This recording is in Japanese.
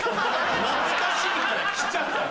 懐かしいから来ちゃったの？